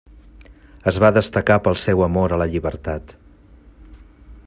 Es va destacar pel seu amor a la llibertat.